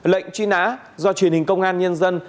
lệnh truy nã do truyền hình công an nhân dân